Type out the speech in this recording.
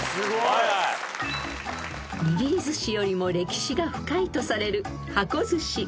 ［にぎり寿司よりも歴史が深いとされる箱寿司］